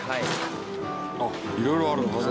あっ色々あるんですね。